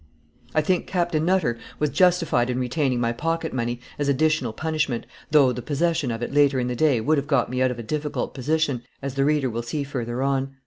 I think Captain Nutter was justified in retaining my pocketmoney, as additional punishment, though the possession of it later in the day would have got me out of a difficult position, as the reader will see further on.